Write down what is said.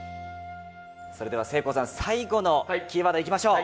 それではせいこうさん最後のキーワードいきましょう。